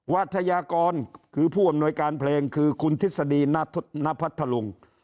วิทยากรคือผู้อำนวยการเพลงคือคุณทฤษฎีณพัทธลุง